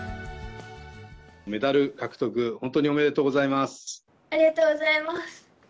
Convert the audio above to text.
メダル獲得、本当におめでとありがとうございます。